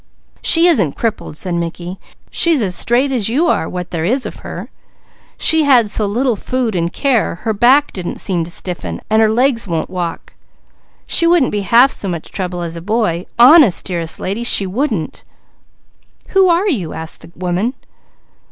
"She isn't crippled," said Mickey. "She's as straight as you are, what there is of her. She had so little food, and care, her back didn't seem to stiffen, so her legs won't walk. She wouldn't be half so much trouble as a boy. Honest, dearest lady, she wouldn't!" "Who are you?" asked the woman.